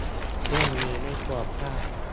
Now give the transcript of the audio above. - เล่มนี้ไม่ควรพลาด